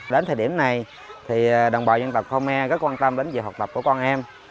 đến thời điểm này thì đồng bào dân tộc khmer rất quan tâm đến việc học tập của con em